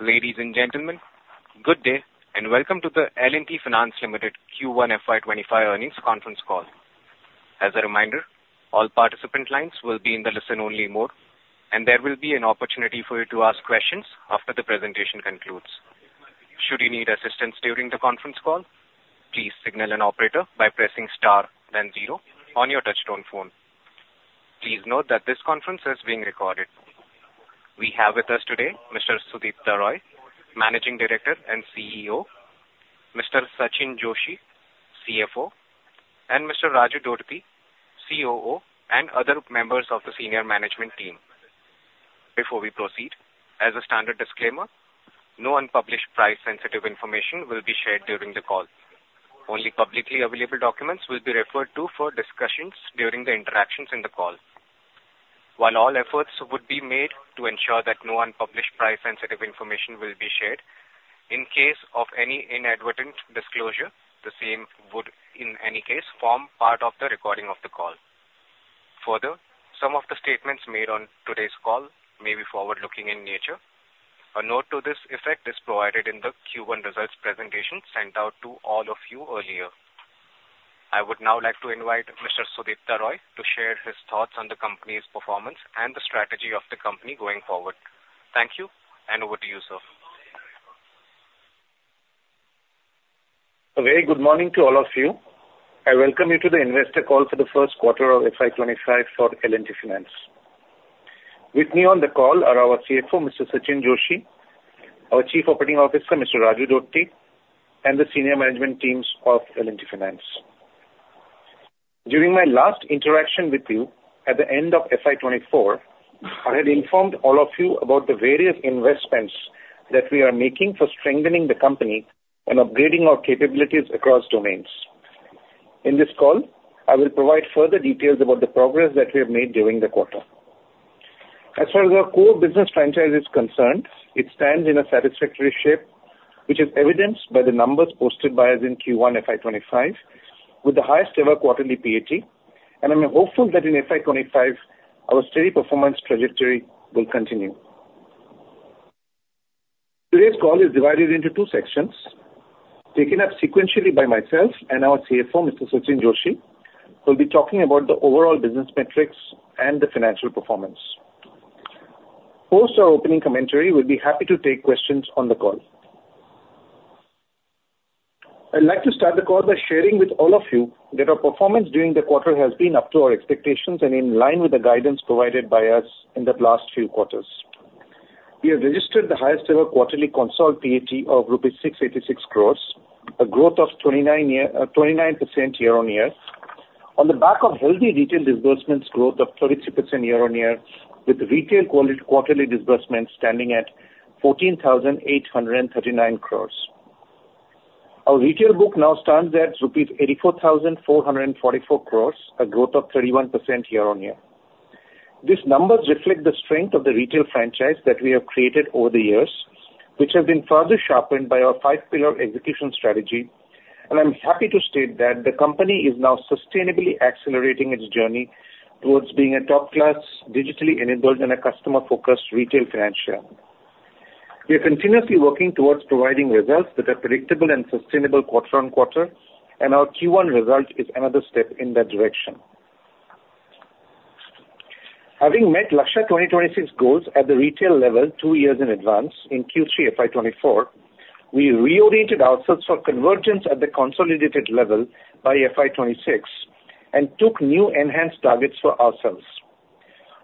Ladies and gentlemen, good day, and welcome to the L&T Finance Ltd Q1 FY25 earnings conference call. As a reminder, all participant lines will be in the listen-only mode, and there will be an opportunity for you to ask questions after the presentation concludes. Should you need assistance during the conference call, please signal an operator by pressing star, then zero on your touchtone phone. Please note that this conference is being recorded. We have with us today Mr. Sudipta Roy, Managing Director and CEO, Mr. Sachinn Joshi, CFO, and Mr. Raju Dodti, COO, and other members of the senior management team. Before we proceed, as a standard disclaimer, no unpublished price-sensitive information will be shared during the call. Only publicly available documents will be referred to for discussions during the interactions in the call. While all efforts would be made to ensure that no unpublished price-sensitive information will be shared, in case of any inadvertent disclosure, the same would, in any case, form part of the recording of the call. Further, some of the statements made on today's call may be forward-looking in nature. A note to this effect is provided in the Q1 results presentation sent out to all of you earlier. I would now like to invite Mr. Sudipta Roy to share his thoughts on the company's performance and the strategy of the company going forward. Thank you, and over to you, sir. A very good morning to all of you. I welcome you to the investor call for the first quarter of FY 25 for L&T Finance. With me on the call are our CFO, Mr. Sachinn Joshi, our Chief Operating Officer, Mr. Raju Dodti, and the senior management teams of L&T Finance. During my last interaction with you at the end of FY 24, I had informed all of you about the various investments that we are making for strengthening the company and upgrading our capabilities across domains. In this call, I will provide further details about the progress that we have made during the quarter. As far as our core business franchise is concerned, it stands in a satisfactory shape, which is evidenced by the numbers posted by us in Q1 FY25, with the highest-ever quarterly PAT, and I'm hopeful that in FY25, our steady performance trajectory will continue. Today's call is divided into two sections, taken up sequentially by myself and our CFO, Mr. Sachinn Joshi, who'll be talking about the overall business metrics and the financial performance. Post our opening commentary, we'll be happy to take questions on the call. I'd like to start the call by sharing with all of you that our performance during the quarter has been up to our expectations and in line with the guidance provided by us in the last few quarters. We have registered the highest-ever quarterly consolidated PAT of rupees 686 crore, a growth of 29% year-on-year, on the back of healthy retail disbursements growth of 33% year-on-year, with retail quarterly disbursements standing at 14,839 crore. Our retail book now stands at rupees 84,444 crore, a growth of 31% year-on-year. These numbers reflect the strength of the retail franchise that we have created over the years, which has been further sharpened by our five-pillar execution strategy, and I'm happy to state that the company is now sustainably accelerating its journey towards being a top-class, digitally enabled and a customer-focused retail franchisor. We are continuously working towards providing results that are predictable and sustainable quarter-on-quarter, and our Q1 result is another step in that direction. Having met Lakshya 2026 goals at the retail level two years in advance in Q3 FY 2024, we reoriented ourselves for convergence at the consolidated level by FY 2026 and took new enhanced targets for ourselves.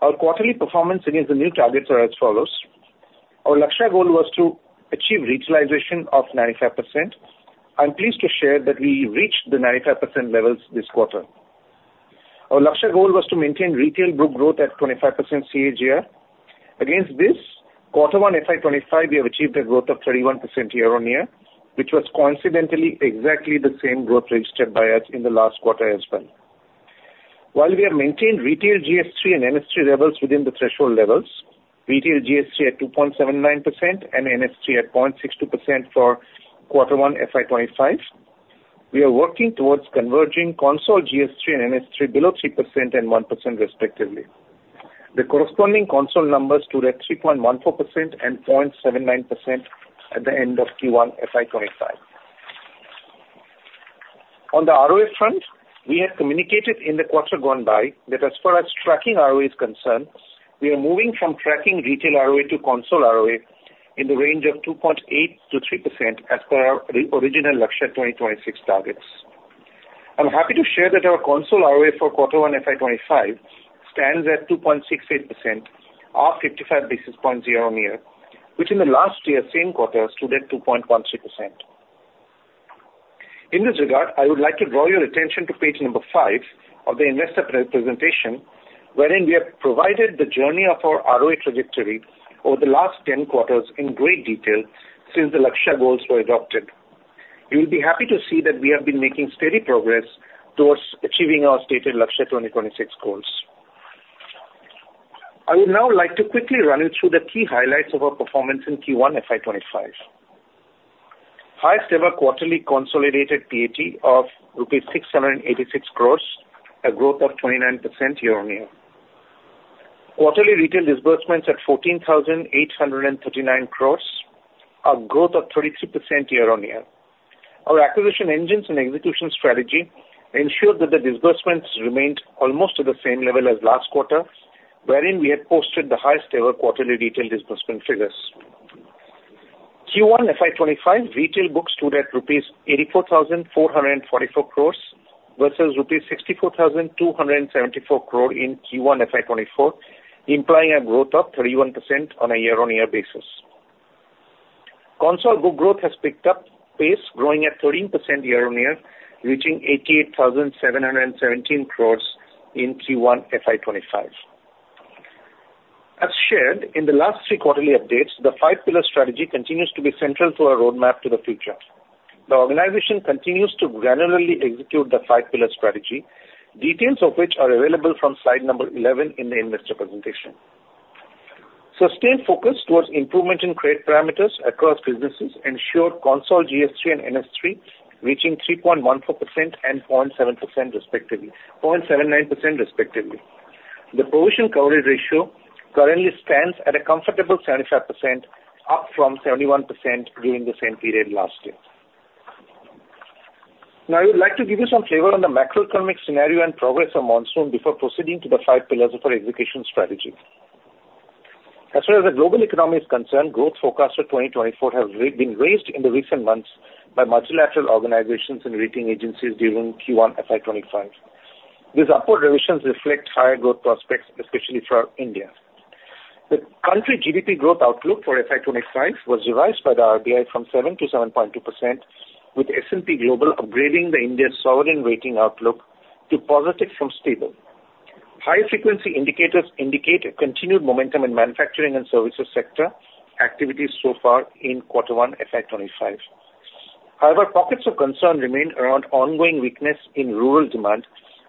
Our quarterly performance against the new targets are as follows: Our Lakshya goal was to achieve regionalization of 95%. I'm pleased to share that we reached the 95% levels this quarter. Our Lakshya goal was to maintain retail book growth at 25% CAGR. Against this, quarter one FY 2025, we have achieved a growth of 31% year-on-year, which was coincidentally exactly the same growth registered by us in the last quarter as well. While we have maintained retail GS3 and NS3 levels within the threshold levels, retail GS3 at 2.79% and NS3 at 0.62% for quarter one FY25, we are working towards converging Consol GS3 and NS3 below 3% and 1% respectively. The corresponding Consol numbers stood at 3.14% and 0.79% at the end of Q1 FY25. On the ROA front, we have communicated in the quarter gone by that as far as tracking ROA is concerned, we are moving from tracking retail ROA to Consol ROA in the range of 2.8%-3%, as per our original Lakshya 2026 targets. I'm happy to share that our consolidated ROA for Q1 FY25 stands at 2.68%, or 55 basis points year-on-year, which in the last year, same quarter, stood at 2.13%. In this regard, I would like to draw your attention to page number 5 of the investor presentation, wherein we have provided the journey of our ROA trajectory over the last 10 quarters in great detail since the Lakshya goals were adopted. You'll be happy to see that we have been making steady progress towards achieving our stated Lakshya 2026 goals. I would now like to quickly run you through the key highlights of our performance in Q1 FY25.... highest ever quarterly consolidated PAT of rupees 686 crore, a growth of 29% year-on-year. Quarterly retail disbursements at 14,839 crore, a growth of 32% year-on-year. Our acquisition engines and execution strategy ensured that the disbursements remained almost at the same level as last quarter, wherein we had posted the highest ever quarterly retail disbursement figures. Q1 FY25 retail books stood at rupees 84,444 crore versus rupees 64,274 crore in Q1 FY24, implying a growth of 31% on a year-on-year basis. Consol book growth has picked up pace, growing at 13% year-on-year, reaching 88,717 crore in Q1 FY25. As shared in the last three quarterly updates, the five-pillar strategy continues to be central to our roadmap to the future. The organization continues to granularly execute the five-pillar strategy, details of which are available from slide number 11 in the investor presentation. Sustained focus towards improvement in credit parameters across businesses ensured GS3 and NS3 reaching 3.14% and 0.79%, respectively. The provision coverage ratio currently stands at a comfortable 75%, up from 71% during the same period last year. Now, I would like to give you some flavor on the macroeconomic scenario and progress on monsoon before proceeding to the five pillars of our execution strategy. As far as the global economy is concerned, growth forecast for 2024 has been raised in the recent months by multilateral organizations and rating agencies during Q1 FY25. These upward revisions reflect higher growth prospects, especially for India. The country GDP growth outlook for FY25 was revised by the RBI from 7% to 7.2%, with S&P Global upgrading the Indian sovereign rating outlook to positive from stable. High-frequency indicators indicate a continued momentum in manufacturing and services sector activities so far in quarter 1, FY25. However, pockets of concern remain around ongoing weakness in rural demand,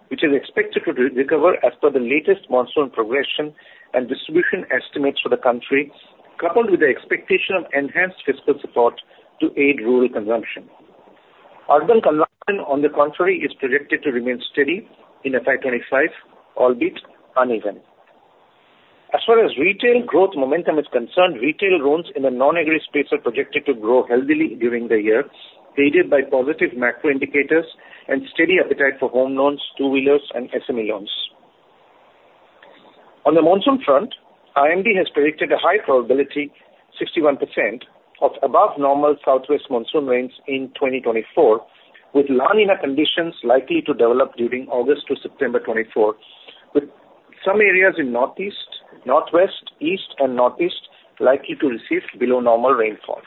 which is expected to recover as per the latest monsoon progression and distribution estimates for the country, coupled with the expectation of enhanced fiscal support to aid rural consumption. Urban consumption, on the contrary, is predicted to remain steady in FY25, albeit uneven. As far as retail growth momentum is concerned, retail loans in the non-agri space are projected to grow healthily during the year, aided by positive macro indicators and steady appetite for home loans, two-wheelers, and SME loans. On the monsoon front, IMD has predicted a high probability, 61%, of above normal southwest monsoon rains in 2024, with La Niña conditions likely to develop during August to September 2024, with some areas in Northeast, Northwest, East, and Northeast likely to receive below normal rainfall.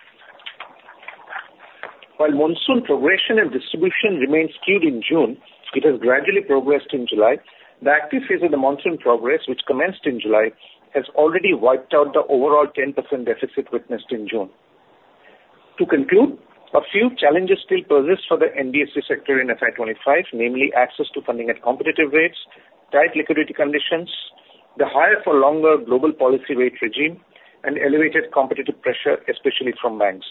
While monsoon progression and distribution remained skewed in June, it has gradually progressed in July. The active phase of the monsoon progress, which commenced in July, has already wiped out the overall 10% deficit witnessed in June. To conclude, a few challenges still persist for the NBFC sector in FY25, namely, access to funding at competitive rates, tight liquidity conditions, the higher for longer global policy rate regime, and elevated competitive pressure, especially from banks.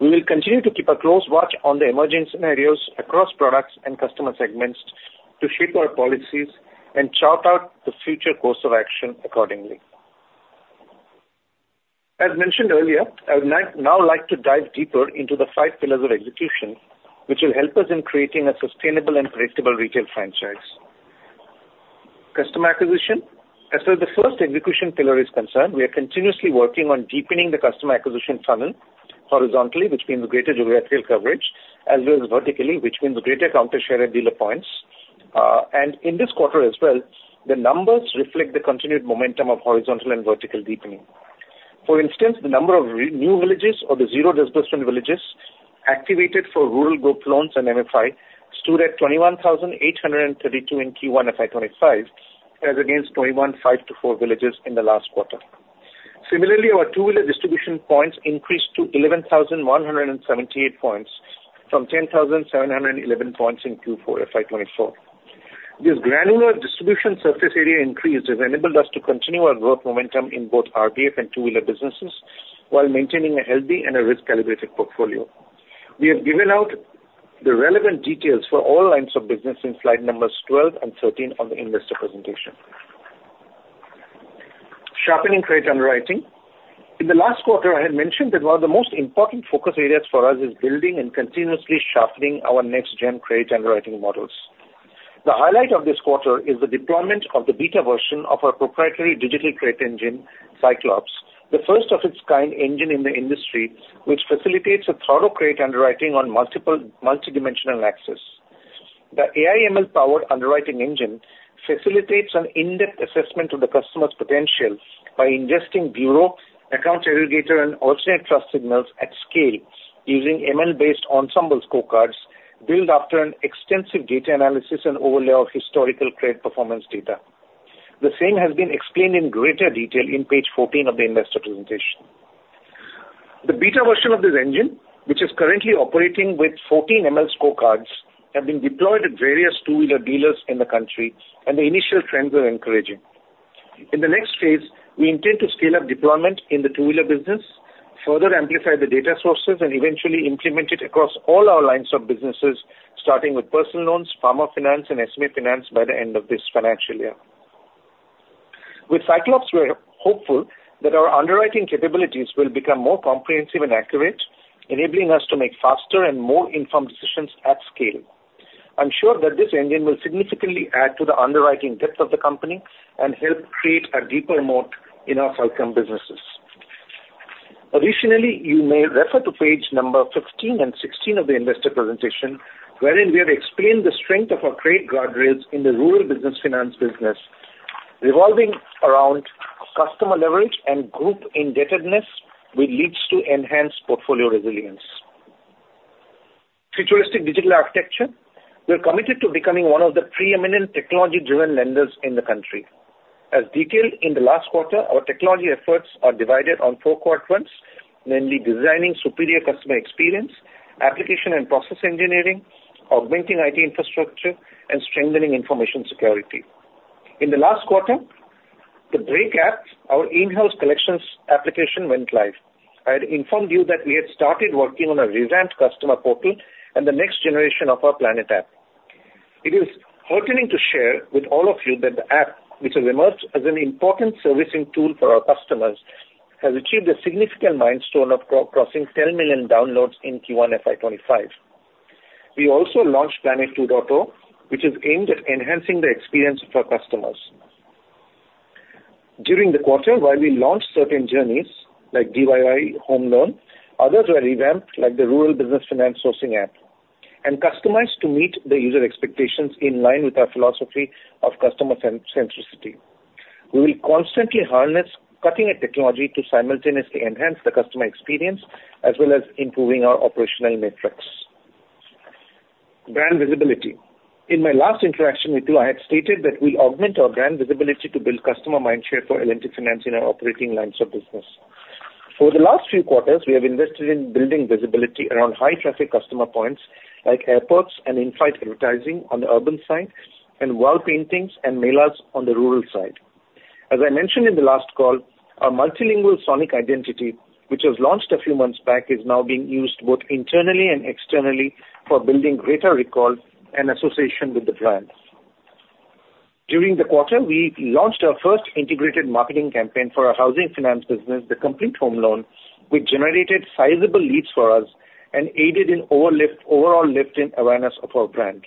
We will continue to keep a close watch on the emerging scenarios across products and customer segments to shape our policies and chart out the future course of action accordingly. As mentioned earlier, I would like, now like to dive deeper into the five pillars of execution, which will help us in creating a sustainable and predictable retail franchise. Customer acquisition. As far as the first execution pillar is concerned, we are continuously working on deepening the customer acquisition funnel horizontally, which means greater geographical coverage, as well as vertically, which means greater counter share and dealer points. And in this quarter as well, the numbers reflect the continued momentum of horizontal and vertical deepening. For instance, the number of renewed villages or the zero disbursement villages activated for rural group loans and MFI stood at 21,832 in Q1 FY25, as against 21,524 villages in the last quarter. Similarly, our two-wheeler distribution points increased to 11,178 points, from 10,711 points in Q4 FY24. This granular distribution surface area increase has enabled us to continue our growth momentum in both RBF and two-wheeler businesses, while maintaining a healthy and a risk-calibrated portfolio. We have given out the relevant details for all lines of business in slide numbers 12 and 13 of the investor presentation. Sharpening credit underwriting. In the last quarter, I had mentioned that one of the most important focus areas for us is building and continuously sharpening our next-gen credit underwriting models. The highlight of this quarter is the deployment of the beta version of our proprietary digital credit engine, Cyclops, the first of its kind engine in the industry, which facilitates a thorough credit underwriting on multiple multi-dimensional axes. The AI ML-powered underwriting engine facilitates an in-depth assessment of the customer's potential by ingesting bureau, account aggregator, and alternate trust signals at scale, using ML-based ensemble scorecards built after an extensive data analysis and overlay of historical credit performance data. The same has been explained in greater detail in page 14 of the investor presentation. The beta version of this engine, which is currently operating with 14 ML scorecards, have been deployed at various two-wheeler dealers in the country, and the initial trends are encouraging.... In the next phase, we intend to scale up deployment in the two-wheeler business, further amplify the data sources, and eventually implement it across all our lines of businesses, starting with personal loans, farmer finance, and SME finance by the end of this financial year. With Cyclops, we are hopeful that our underwriting capabilities will become more comprehensive and accurate, enabling us to make faster and more informed decisions at scale. I'm sure that this engine will significantly add to the underwriting depth of the company and help create a deeper moat in our outcome businesses. Additionally, you may refer to page number 15 and 16 of the investor presentation, wherein we have explained the strength of our credit guardrails in the rural business finance business, revolving around customer leverage and group indebtedness, which leads to enhanced portfolio resilience. Futuristic digital architecture. We are committed to becoming one of the preeminent technology-driven lenders in the country. As detailed in the last quarter, our technology efforts are divided on four quadrants, namely, designing superior customer experience, application and process engineering, augmenting IT infrastructure, and strengthening information security. In the last quarter, the Brake App, our in-house collections application, went live. I had informed you that we had started working on a revamped customer portal and the next generation of our Planet app. It is heartening to share with all of you that the app, which has emerged as an important servicing tool for our customers, has achieved a significant milestone of crossing 10 million downloads in Q1 FY25. We also launched Planet 2.0, which is aimed at enhancing the experience for customers. During the quarter, while we launched certain journeys, like DIY home loan, others were revamped, like the Rural Business Finance Sourcing app, and customized to meet the user expectations in line with our philosophy of customer centricity. We will constantly harness cutting-edge technology to simultaneously enhance the customer experience as well as improving our operational metrics. Brand visibility. In my last interaction with you, I had stated that we augment our brand visibility to build customer mindshare for L&T Finance in our operating lines of business. For the last few quarters, we have invested in building visibility around high-traffic customer points, like airports and in-flight advertising on the urban side, and wall paintings and melas on the rural side. As I mentioned in the last call, our multilingual sonic identity, which was launched a few months back, is now being used both internally and externally for building greater recall and association with the brand. During the quarter, we launched our first integrated marketing campaign for our housing finance business, the Complete Home Loan, which generated sizable leads for us and aided in overall lift in awareness of our brand.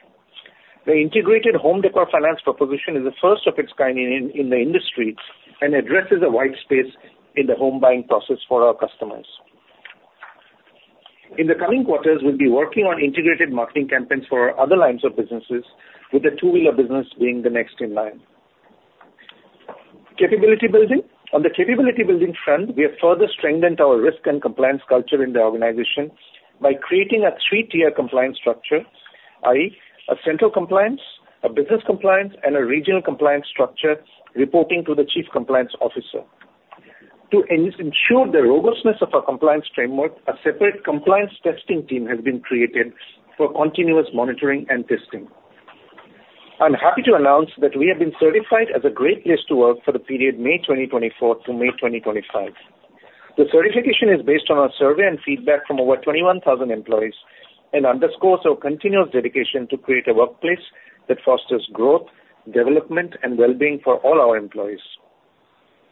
The integrated Home Decor Finance proposition is the first of its kind in the industry and addresses a wide space in the home buying process for our customers. In the coming quarters, we'll be working on integrated marketing campaigns for our other lines of businesses, with the two-wheeler business being the next in line. Capability building. On the capability building front, we have further strengthened our risk and compliance culture in the organization by creating a three-tier compliance structure, i.e., a central compliance, a business compliance, and a regional compliance structure reporting to the chief compliance officer. To ensure the robustness of our compliance framework, a separate compliance testing team has been created for continuous monitoring and testing. I'm happy to announce that we have been certified as a Great Place to Work for the period May 2024 to May 2025. The certification is based on our survey and feedback from over 21,000 employees and underscores our continuous dedication to create a workplace that fosters growth, development, and well-being for all our employees.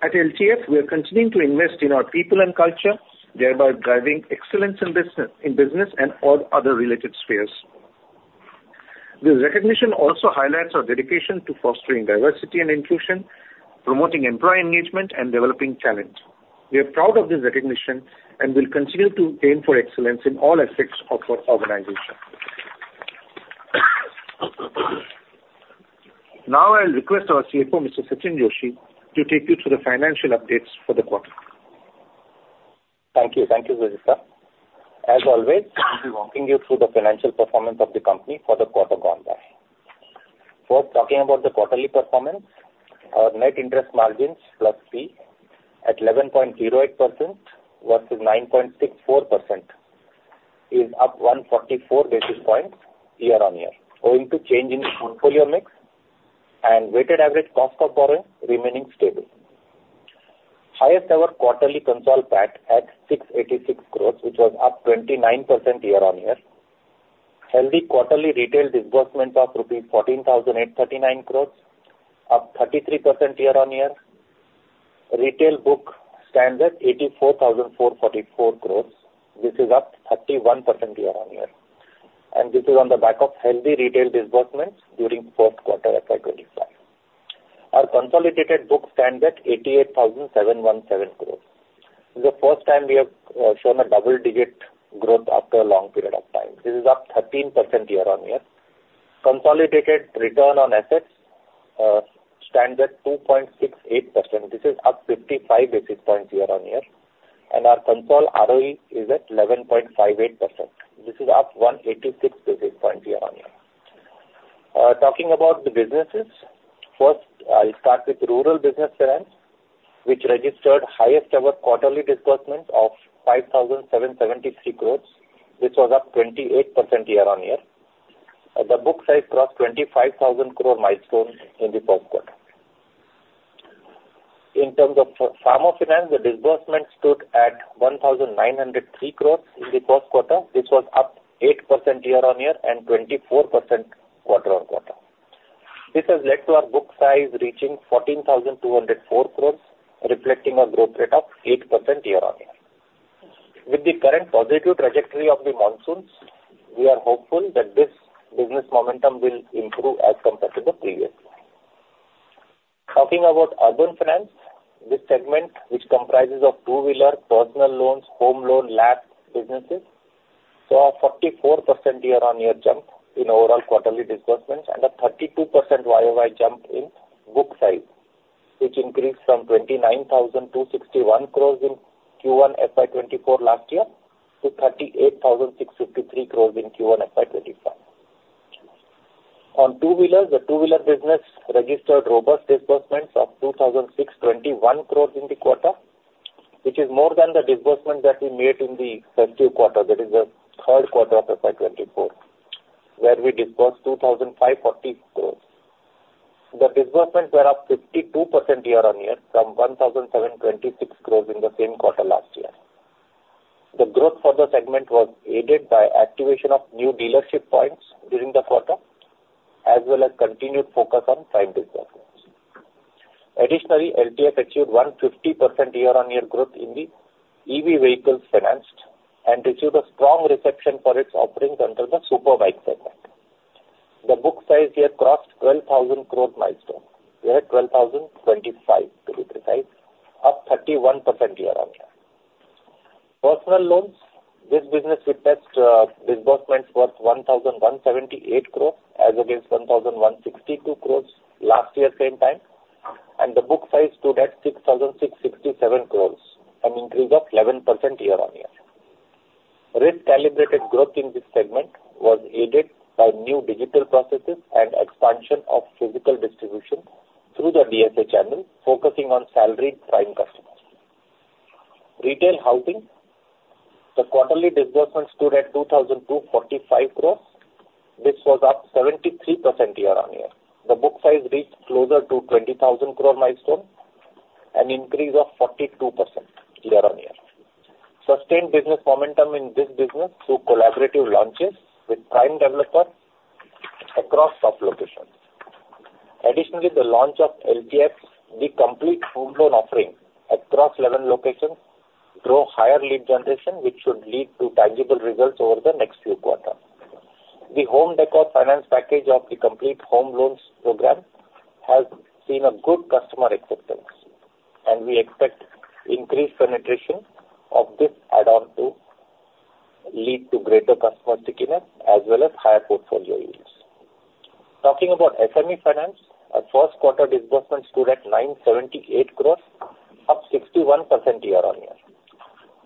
At LTF, we are continuing to invest in our people and culture, thereby driving excellence in business, in business and all other related spheres. This recognition also highlights our dedication to fostering diversity and inclusion, promoting employee engagement, and developing talent. We are proud of this recognition, and we'll continue to aim for excellence in all aspects of our organization. Now, I'll request our CFO, Mr. Sachinn Joshi, to take you through the financial updates for the quarter. Thank you. Thank you, Sudipta. As always, I'll be walking you through the financial performance of the company for the quarter gone by. First, talking about the quarterly performance, our net interest margins, plus fee, at 11.08% versus 9.64%, is up 144 basis points year on year, owing to change in the portfolio mix and weighted average cost of borrowing remaining stable. Highest ever quarterly consolidated PAT at 686 crore, which was up 29% year on year. Healthy quarterly retail disbursement of rupees 14,839 crore, up 33% year on year. Retail book stands at 84,444 crore rupees, this is up 31% year on year, and this is on the back of healthy retail disbursements during the first quarter of FY 2025. Our consolidated book stands at 88,717 crore. This is the first time we have shown a double-digit growth after a long period of time. This is up 13% year-on-year. Consolidated return on assets stands at 2.68%. This is up 55 basis points year-on-year, and our consolidated ROE is at 11.58%. This is up 186 basis points year-on-year. Talking about the businesses, first, I'll start with rural business finance, which registered highest ever quarterly disbursement of 5,773 crore, which was up 28% year-on-year. The book size crossed 25,000 crore milestone in the fourth quarter. In terms of farm finance, the disbursement stood at 1,903 crore in the first quarter. This was up 8% year-on-year and 24% quarter-on-quarter. This has led to our book size reaching 14,204 crore, reflecting a growth rate of 8% year-on-year. With the current positive trajectory of the monsoons, we are hopeful that this business momentum will improve as compared to the previous year. Talking about urban finance, this segment, which comprises of two-wheeler, personal loans, home loan, LAP businesses, saw a 44% year-on-year jump in overall quarterly disbursements and a 32% Y-o-Y jump in book size, which increased from 29,261 crore in Q1 FY2024 last year to 38,653 crore in Q1 FY2025. On two-wheelers, the two-wheeler business registered robust disbursements of 2,621 crore in the quarter, which is more than the disbursement that we made in the previous quarter, that is the third quarter of FY 2024, where we disbursed 2,540 crore. The disbursements were up 52% year-on-year from 1,726 crore in the same quarter last year. The growth for the segment was aided by activation of new dealership points during the quarter, as well as continued focus on time disbursements. Additionally, LTF achieved 150% year-on-year growth in the EV vehicles financed and achieved a strong reception for its offerings under the superbike segment. The book size here crossed 12,000 crore milestone. We are at 12,025, to be precise, up 31% year-on-year. Personal loans. This business witnessed disbursements worth 1,178 crore, as against 1,162 crore last year same time, and the book size stood at 6,667 crore, an increase of 11% year-on-year. Risk-calibrated growth in this segment was aided by new digital processes and expansion of physical distribution through the DSA channel, focusing on salaried prime customers. Retail housing. The quarterly disbursements stood at 2,245 crore. This was up 73% year-on-year. The book size reached closer to 20,000 crore milestone, an increase of 42% year-on-year. Sustained business momentum in this business through collaborative launches with prime developers across top locations. Additionally, the launch of LTF, the complete home loan offering across eleven locations, grow higher lead generation, which should lead to tangible results over the next few quarters. The home decor finance package of the Complete Home Loan program has seen a good customer acceptance, and we expect increased penetration of this add-on to lead to greater customer stickiness as well as higher portfolio yields. Talking about SME finance, our first quarter disbursements stood at 978 crore, up 61% year-on-year.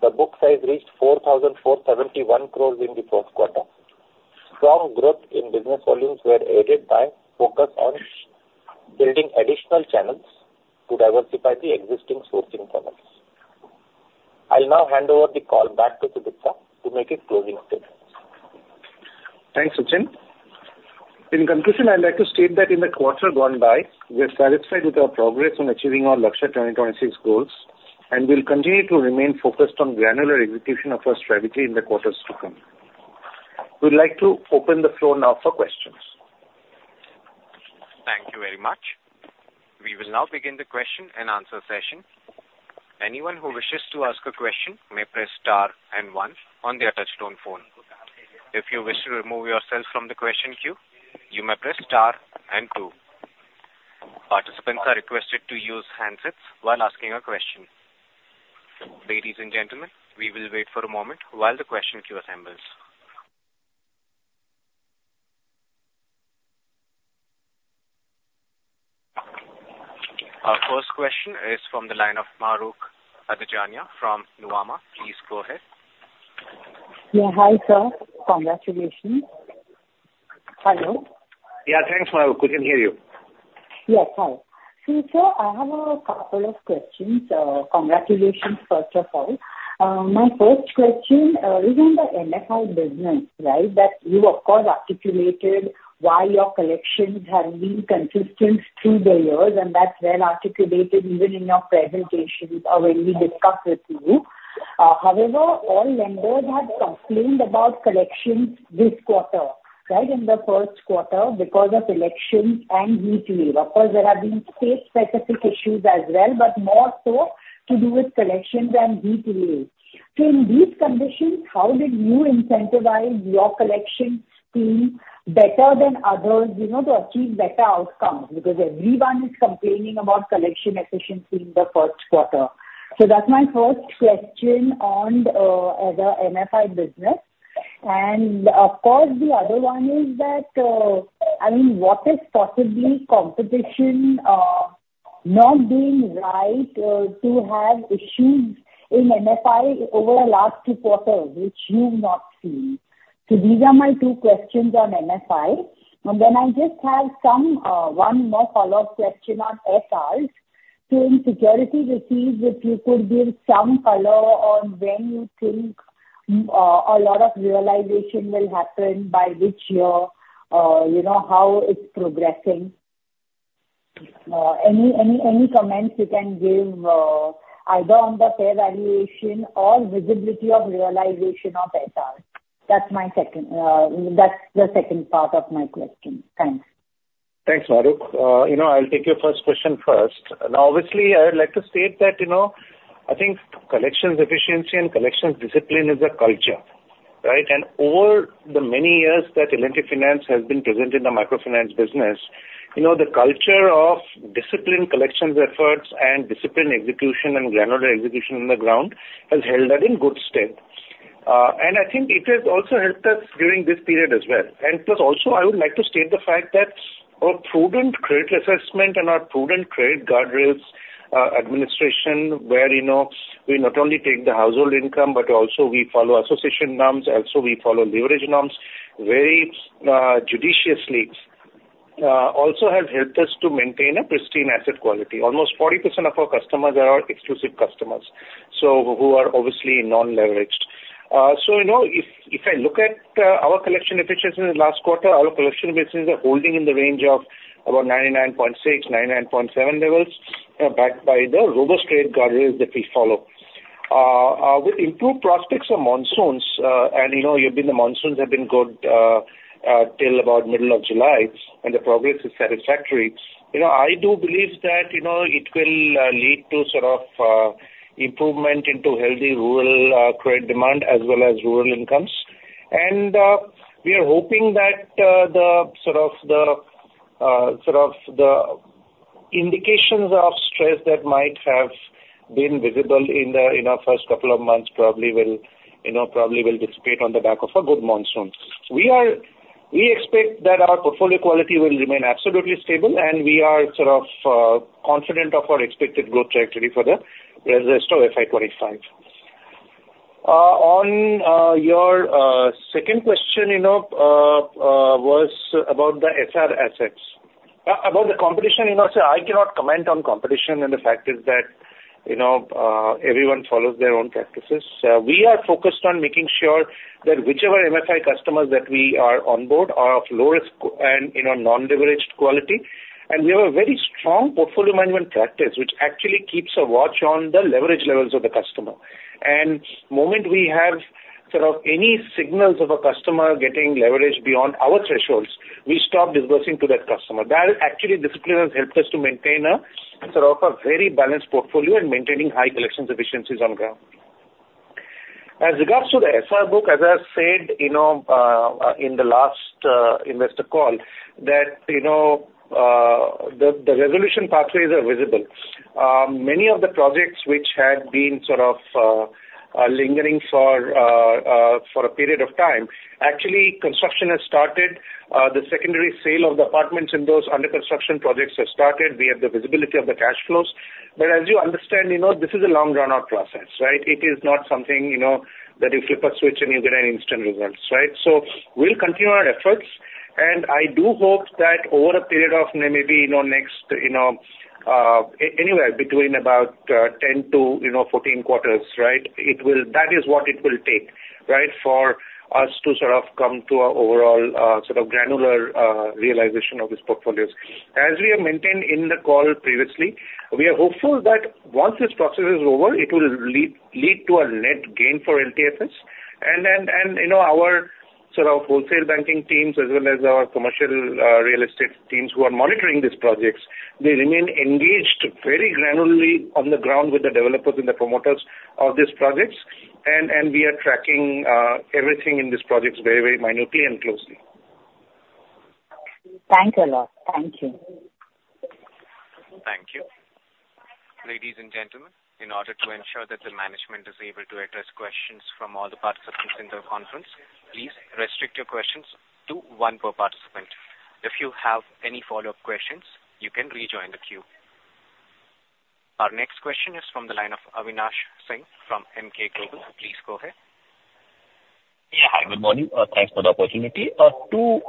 The book size reached 4,471 crore in the fourth quarter. Strong growth in business volumes were aided by focus on building additional channels to diversify the existing sourcing partners. I'll now hand over the call back to Sudipta to make a closing statement. Thanks, Sachinn. In conclusion, I'd like to state that in the quarter gone by, we are satisfied with our progress on achieving our Lakshya 2026 goals, and we'll continue to remain focused on granular execution of our strategy in the quarters to come. We'd like to open the floor now for questions. Thank you very much. We will now begin the question and answer session. Anyone who wishes to ask a question may press star and one on their touchtone phone. If you wish to remove yourself from the question queue, you may press star and two. Participants are requested to use handsets while asking a question. Ladies and gentlemen, we will wait for a moment while the question queue assembles. Our first question is from the line of Mahrukh Adajania from Nuvama. Please go ahead. Yeah. Hi, sir. Congratulations! Hello? Yeah, thanks, Mahrukh. We can hear you. Yes. Hi. See, sir, I have a couple of questions. Congratulations, first of all. My first question is on the MFI business, right? That you of course articulated why your collections have been consistent through the years, and that's well articulated even in your presentations or when we discuss with you. However, all lenders have complained about collections this quarter, right? In the first quarter, because of elections and heat wave. Of course, there have been state-specific issues as well, but more so to do with collections and heat wave. So in these conditions, how did you incentivize your collections team better than others, you know, to achieve better outcomes? Because everyone is complaining about collection efficiency in the first quarter. So that's my first question on the MFI business. Of course, the other one is that, I mean, what is possibly competition not being right to have issues in MFI over the last two quarters, which you've not seen? So these are my two questions on MFI. And then I just have some, one more follow-up question on SRs. So in security receipts, if you could give some color on when you think, a lot of realization will happen by which year, you know, how it's progressing. Any, any, any comments you can give, either on the fair valuation or visibility of realization of SR? That's my second, that's the second part of my question. Thanks. Thanks, Mahrukh. You know, I'll take your first question first. Now, obviously, I would like to state that, you know, I think collections efficiency and collections discipline is a culture, right? And over the many years that L&T Finance has been present in the microfinance business, you know, the culture of discipline, collections efforts and discipline execution and granular execution on the ground has held us in good stead. And I think it has also helped us during this period as well. And plus, also, I would like to state the fact that our prudent credit assessment and our prudent credit guardrails, administration, where, you know, we not only take the household income, but also we follow association norms, also we follow leverage norms very, judiciously, also has helped us to maintain a pristine asset quality. Almost 40% of our customers are our exclusive customers, so who are obviously non-leveraged. So, you know, if, if I look at our collection efficiency in the last quarter, our collection businesses are holding in the range of about 99.6, 99.7 levels, backed by the robust trade guardrails that we follow. With improved prospects of monsoons, and you know, you've seen the monsoons have been good, till about middle of July, and the progress is satisfactory. You know, I do believe that, you know, it will lead to sort of improvement into healthy rural credit demand as well as rural incomes. We are hoping that the sort of indications of stress that might have been visible in our first couple of months probably will, you know, probably will dissipate on the back of a good monsoon. We expect that our portfolio quality will remain absolutely stable, and we are sort of confident of our expected growth trajectory for the rest of FY25. On your second question, you know, was about the SR assets. About the competition, you know, sir, I cannot comment on competition, and the fact is that, you know, everyone follows their own practices. We are focused on making sure that whichever MFI customers that we are on board are of low risk and, you know, non-leveraged quality. And we have a very strong portfolio management practice, which actually keeps a watch on the leverage levels of the customer. And the moment we have sort of any signals of a customer getting leveraged beyond our thresholds, we stop disbursing to that customer. That actually discipline has helped us to maintain a sort of a very balanced portfolio and maintaining high collection efficiencies on ground. As regards to the SR book, as I said, you know, in the last investor call, that, you know, the resolution pathways are visible. Many of the projects which had been sort of lingering for a period of time, actually, construction has started. The secondary sale of the apartments in those under construction projects has started. We have the visibility of the cash flows. But as you understand, you know, this is a long run-out process, right? It is not something, you know, that you flip a switch and you get an instant results, right? So we'll continue our efforts, and I do hope that over a period of maybe, you know, next, you know, anywhere between about 10 to 14 quarters, right? It will, that is what it will take, right, for us to sort of come to a overall sort of granular realization of these portfolios. As we have maintained in the call previously, we are hopeful that once this process is over, it will lead, lead to a net gain for LTFS. You know, our sort of wholesale banking teams as well as our commercial real estate teams who are monitoring these projects. They remain engaged very granularly on the ground with the developers and the promoters of these projects. We are tracking everything in these projects very, very minutely and closely. Thanks a lot. Thank you. Thank you. Ladies and gentlemen, in order to ensure that the management is able to address questions from all the participants in the conference, please restrict your questions to one per participant. If you have any follow-up questions, you can rejoin the queue. Our next question is from the line of Avinash Singh from Emkay Global. Please go ahead. Yeah. Hi, good morning. Thanks for the opportunity. Two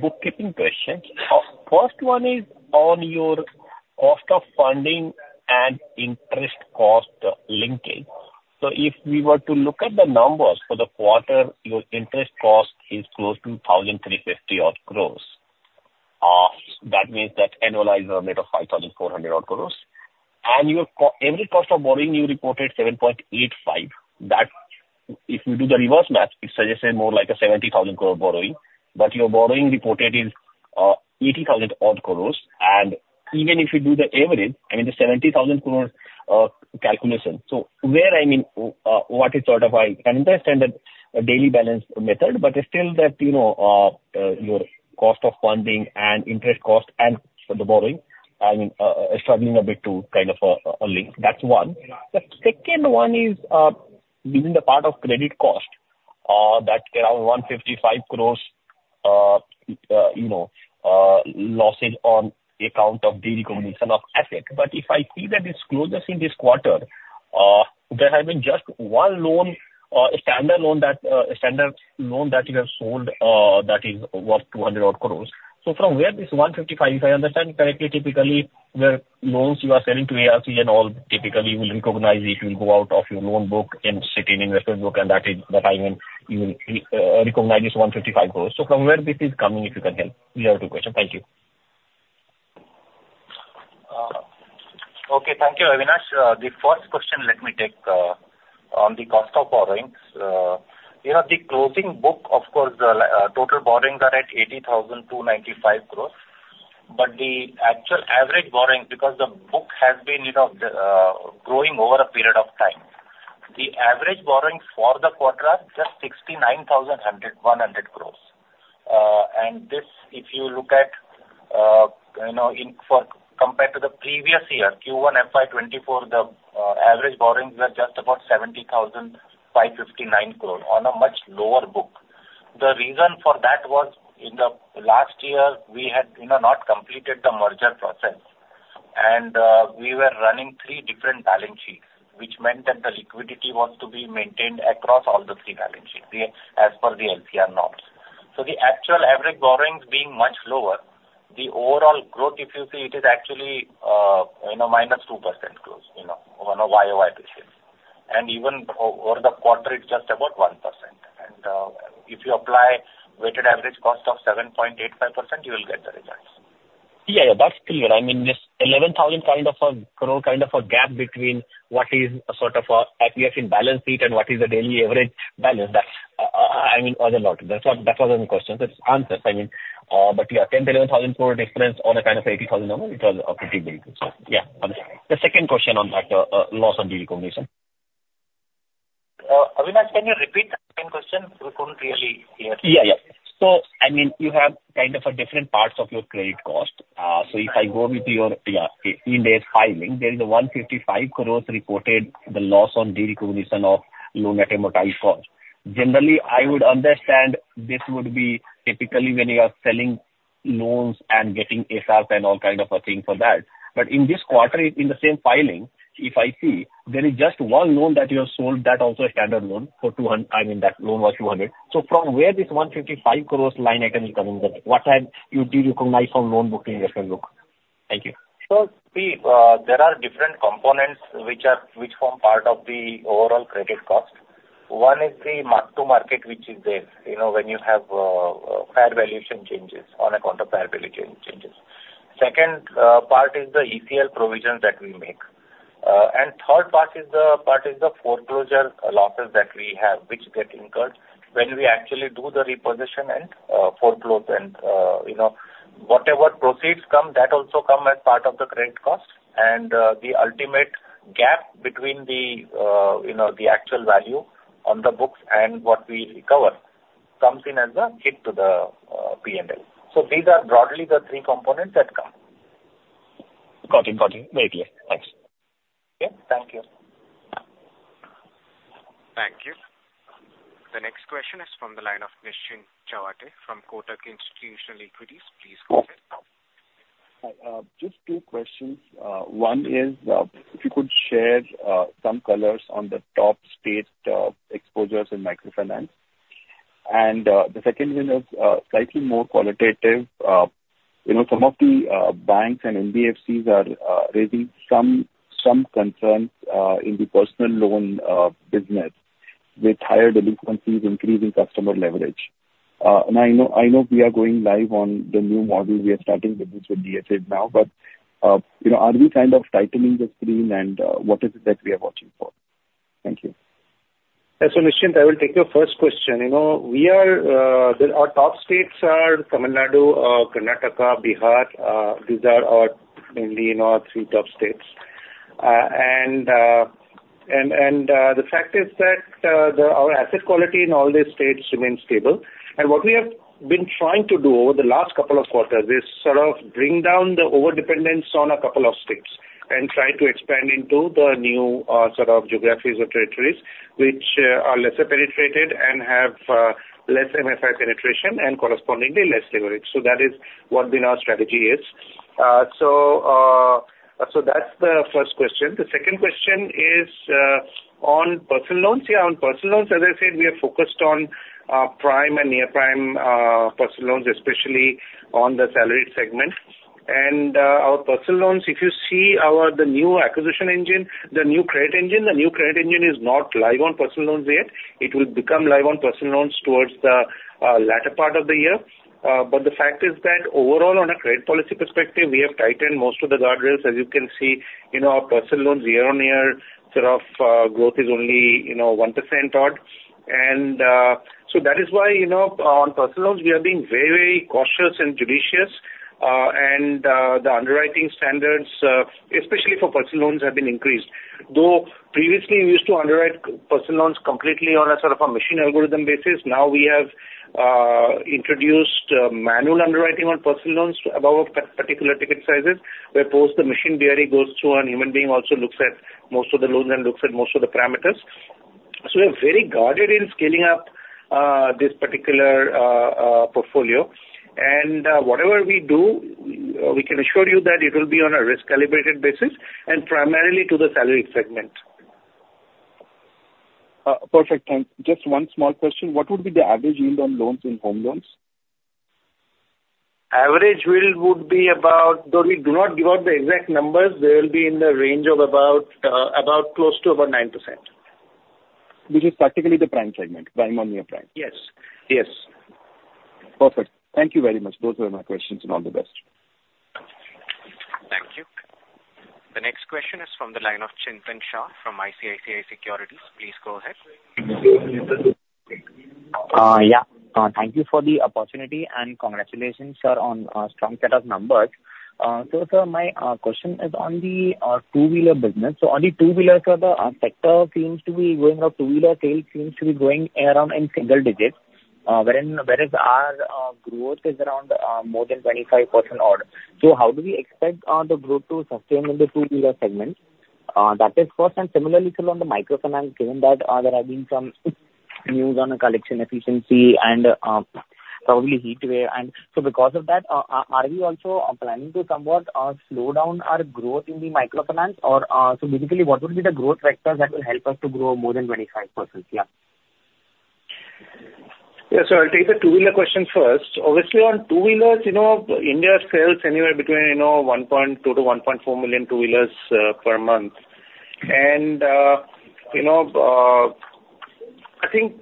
bookkeeping questions. First one is on your cost of funding and interest cost linking. So if we were to look at the numbers for the quarter, your interest cost is close to 1,350-odd crore. That means that annualized it made 5,400-odd crore. And your Q-average cost of borrowing, you reported 7.85%. That, if you do the reverse math, it suggested more like a 70,000 crore borrowing, but your borrowing reported is 80,000-odd crore. And even if you do the average, I mean, the 70,000 crore calculation. So where I mean, what is sort of I can understand the daily balance method, but still that, you know, your cost of funding and interest cost and the borrowing, I mean, struggling a bit to kind of link. That's one. The second one is, within the part of credit cost, that around 155 crore, you know, losses on the account of derecognition of assets. But if I see the disclosures in this quarter... There have been just one loan, a standard loan that you have sold, that is worth 200-odd crore. So from where this 155 crore, if I understand correctly, typically the loans you are selling to ARC and all, typically will recognize it will go out of your loan book and sit in investor book, and that is, that I mean, you will recognize this 155 crore. So from where this is coming, if you can help? These are two questions. Thank you. Okay, thank you, Avinash. The first question, let me take on the cost of borrowings. You know, the closing book, of course, total borrowings are at 80,295 crore, but the actual average borrowing, because the book has been, you know, growing over a period of time, the average borrowings for the quarter are just 69,100 crore. And this, if you look at, you know, in FY compared to the previous year, Q1 FY24, the average borrowings were just about 70,569 crore on a much lower book. The reason for that was in the last year, we had, you know, not completed the merger process. We were running three different balance sheets, which meant that the liquidity was to be maintained across all the three balance sheets, as per the LCR norms. So the actual average borrowings being much lower, the overall growth, if you see, it is actually, you know, minus 2% growth, you know, on a YOY basis. And even over the quarter, it's just about 1%. And if you apply weighted average cost of 7.85%, you will get the results. Yeah, yeah, that's clear. I mean, this 11,000 crore kind of a gap between what is a sort of a, I guess, in balance sheet and what is the daily average balance. That's, I mean, as a lot. That's what, that was my question. It's answered, I mean, but yeah, 10, 11,000 crore difference on a kind of 80,000 number, it was a pretty big difference. So yeah. The second question on that, loss on derecognition. Avinash, can you repeat the second question? We couldn't really hear. Yeah, yeah. So, I mean, you have kind of a different parts of your credit cost. So if I go with your Ind AS filing, there is 155 crore reported the loss on derecognition of loan at amortized cost. Generally, I would understand this would be typically when you are selling loans and getting SRs and all kind of a thing for that. But in this quarter, in the same filing, if I see, there is just one loan that you have sold, that also a standard loan for 200. I mean, that loan was 200. So from where this 155 crore line item is coming from? What have you de-recognized from loan book in your book? Thank you. So there are different components which form part of the overall credit cost. One is the mark to market, which is there, you know, when you have fair valuation changes on account of fair value changes. Second, part is the ECL provisions that we make. And third part is part is the foreclosure losses that we have, which get incurred when we actually do the repossession and, foreclose. And, you know, whatever proceeds come, that also come as part of the credit cost. And, the ultimate gap between the, you know, the actual value on the books and what we recover comes in as a hit to the, P&L. So these are broadly the three components that come. Got it, got it. Very clear. Thanks. Yeah. Thank you. Thank you. The next question is from the line of Nischint Chawathe from Kotak Institutional Equities. Please go ahead. Just two questions. One is, if you could share some colors on the top state exposures in microfinance. And the second one is slightly more qualitative. You know, some of the banks and NBFCs are raising some concerns in the personal loan business, with higher delinquencies, increasing customer leverage. And I know we are going live on the new model. We are starting business with DSAs now, but you know, are we kind of tightening the screen and what is it that we are watching for? Thank you. Yeah, so Nischint, I will take your first question. You know, we are, our top states are Tamil Nadu, Karnataka, Bihar. These are our mainly, you know, our three top states. And the fact is that, our asset quality in all these states remains stable. And what we have been trying to do over the last couple of quarters is sort of bring down the overdependence on a couple of states, and try to expand into the new, sort of geographies or territories, which are lesser penetrated and have, less MFI penetration and correspondingly less leverage. So that is what been our strategy is. So, that's the first question. The second question is, on personal loans. Yeah, on personal loans, as I said, we are focused on, prime and near-prime, personal loans, especially on the salaried segment. And, our personal loans, if you see our, the new acquisition engine, the new credit engine, the new credit engine is not live on personal loans yet. It will become live on personal loans towards the, latter part of the year. But the fact is that overall, on a credit policy perspective, we have tightened most of the guardrails. As you can see, you know, our personal loans year-on-year sort of, growth is only, you know, 1% odd. And, so that is why, you know, on personal loans, we are being very, very cautious and judicious. And, the underwriting standards, especially for personal loans, have been increased. Though previously, we used to underwrite personal loans completely on a sort of a machine algorithm basis. Now we have introduced manual underwriting on personal loans above particular ticket sizes, where post the machine BRE goes through and human being also looks at most of the loans and looks at most of the parameters.... So we are very guarded in scaling up this particular portfolio, and whatever we do, we can assure you that it will be on a risk-calibrated basis and primarily to the salaried segment. Perfect, thanks. Just one small question. What would be the average yield on loans in home loans? Average yield would be about... Though we do not give out the exact numbers, they will be in the range of about, about close to about 9%. Which is particularly the prime segment, prime or near prime? Yes. Yes. Perfect. Thank you very much. Those were my questions, and all the best. Thank you. The next question is from the line of Chintan Shah from ICICI Securities. Please go ahead. Yeah, thank you for the opportunity, and congratulations, sir, on a strong set of numbers. So, sir, my question is on the two-wheeler business. So on the two-wheeler, sir, the sector seems to be going, or two-wheeler sales seems to be growing around in single digits, wherein, whereas our growth is around more than 25% odd. So how do we expect the growth to sustain in the two-wheeler segment? That is first, and similarly, sir, on the microfinance, given that there have been some news on the collection efficiency and probably heat wave, and so because of that, are we also planning to somewhat slow down our growth in the microfinance? Or, so basically, what would be the growth vectors that will help us to grow more than 25%? Yeah. Yeah, so I'll take the two-wheeler question first. Obviously, on two-wheelers, you know, India sells anywhere between, you know, 1.2 to 1.4 million two-wheelers per month. And, you know, I think,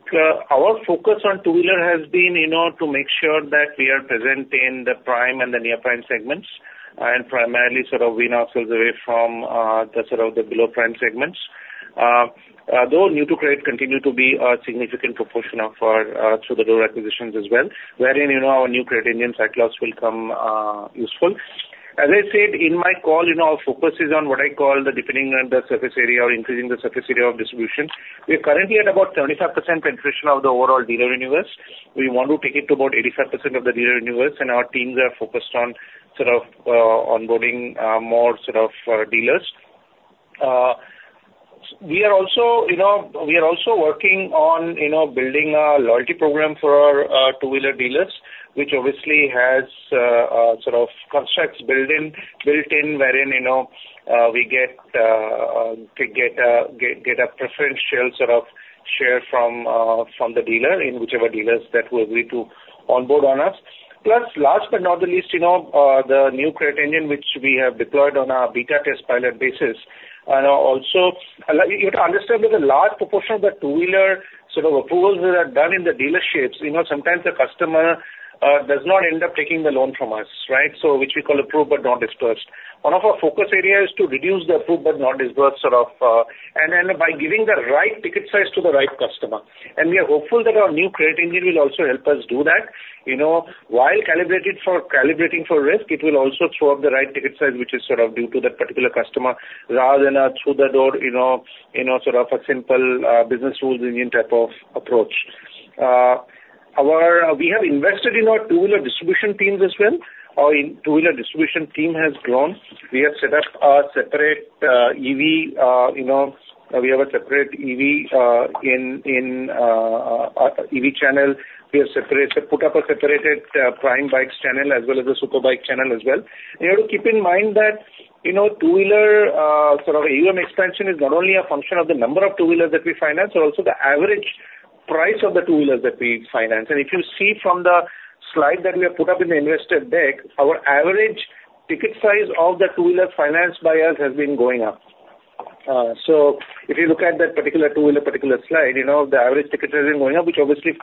our focus on two-wheeler has been, you know, to make sure that we are present in the prime and the near prime segments, and primarily sort of we now sells away from the sort of the below-prime segments. Though new-to-credit continue to be a significant proportion of our through-the-door acquisitions as well, wherein, you know, our new credit engine Cyclops will come useful. As I said in my call, you know, our focus is on what I call the deepening and the surface area or increasing the surface area of distribution. We are currently at about 35% penetration of the overall dealer universe. We want to take it to about 85% of the dealer universe, and our teams are focused on sort of onboarding more sort of dealers. We are also, you know, we are also working on, you know, building a loyalty program for our two-wheeler dealers, which obviously has sort of constructs built in, wherein, you know, we get a preferential sort of share from the dealer, in whichever dealers that we agree to onboard on us. Plus, last but not the least, you know, the new credit engine, which we have deployed on a beta test pilot basis, also, you have to understand that a large proportion of the two-wheeler sort of approvals that are done in the dealerships, you know, sometimes the customer does not end up taking the loan from us, right? So which we call approved but not dispersed. One of our focus area is to reduce the approved but not dispersed sort of, and then by giving the right ticket size to the right customer. And we are hopeful that our new credit engine will also help us do that. You know, while calibrated for, calibrating for risk, it will also throw up the right ticket size, which is sort of due to that particular customer, rather than a through-the-door, you know, you know, sort of a simple, business rules engine type of approach. We have invested in our two-wheeler distribution team as well. Our two-wheeler distribution team has grown. We have set up a separate EV channel. We have set up a separate prime bikes channel as well as a super bike channel as well. You have to keep in mind that, you know, two-wheeler sort of AUM expansion is not only a function of the number of two-wheelers that we finance, but also the average price of the two-wheelers that we finance. If you see from the slide that we have put up in the investor deck, our average ticket size of the two-wheeler financed by us has been going up. So if you look at that particular two-wheeler, particular slide, you know, the average ticket has been going up, which obviously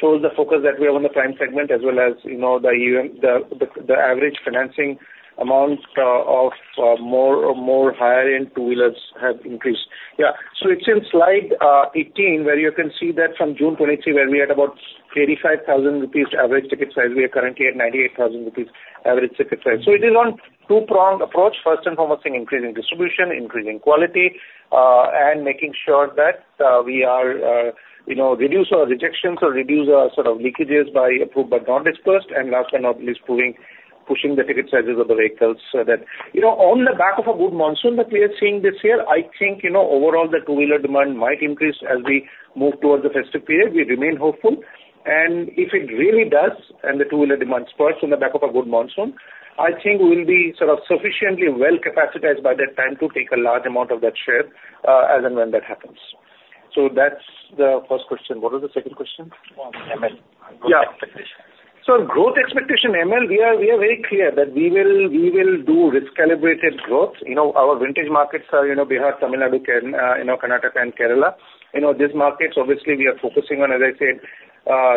shows the focus that we have on the prime segment, as well as, you know, the AUM, the average financing amount, of more or more higher-end two-wheelers have increased. Yeah. So it's in slide 18, where you can see that from June 2023, where we had about 35,000 rupees average ticket size, we are currently at 98,000 rupees average ticket size. So it is on two-pronged approach. First and foremost thing, increasing distribution, increasing quality, and making sure that we are, you know, reduce our rejections or reduce our sort of leakages by approved but not disbursed, and last but not the least, pushing the ticket sizes of the vehicles so that... You know, on the back of a good monsoon that we are seeing this year, I think, you know, overall the two-wheeler demand might increase as we move towards the festive period. We remain hopeful. If it really does, and the two-wheeler demand spurs on the back of a good monsoon, I think we will be sort of sufficiently well-capitalized by that time to take a large amount of that share, as and when that happens. So that's the first question. What was the second question? On ML. Yeah. Growth expectations. So growth expectation, ML, we are, we are very clear that we will, we will do risk-calibrated growth. You know, our vintage markets are, you know, Bihar, Tamil Nadu, Kerala. You know, Karnataka and Kerala. You know, these markets, obviously, we are focusing on, as I said,